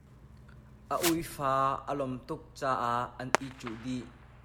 A uifa a lom tuk caah an i cuh dih.